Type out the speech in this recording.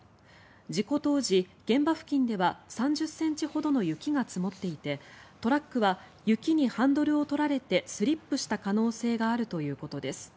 事故当時、現場付近では３０ｃｍほどの雪が積もっていてトラックは雪にハンドルを取られてスリップした可能性があるということです。